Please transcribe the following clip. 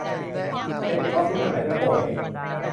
ใส่ตึกออฟฟิศมาหน่อยสิ งง